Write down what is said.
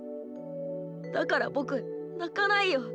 だからボクなかないよ。